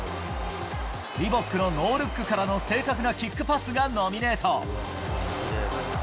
リボックのノールックからの正確なキックパスがノミネート。